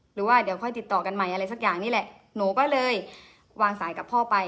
หรือว่าเดี๋ยวค่อยติดต่อกันใหม่อะไรสักอย่างนี้แหละหนูก็เลยวางสายกับพ่อไป